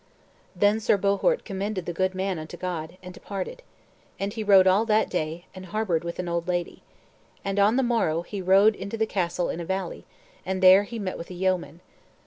Then Sir Bohort commended the good man unto God, and departed. And he rode all that day, and harbored with an old lady. And on the morrow he rode unto the castle in a valley, and there he met with a yeoman.